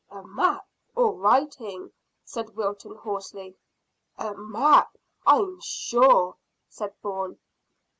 "A map, or writing," said Wilton hoarsely. "A map, I'm sure," said Bourne.